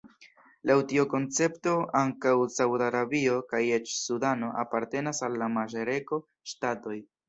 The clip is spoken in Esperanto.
Laŭ tiu koncepto ankaŭ Saud-Arabio kaj eĉ Sudano apartenas al la maŝreko-ŝtatoj.